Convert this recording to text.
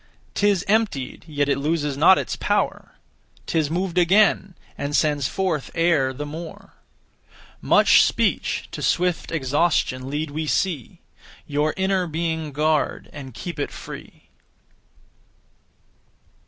'Tis emptied, yet it loses not its power; 'Tis moved again, and sends forth air the more. Much speech to swift exhaustion lead we see; Your inner being guard, and keep it free.